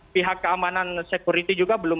pihak keamanan security juga belum